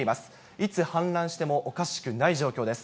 いつ氾濫してもおかしくない状況です。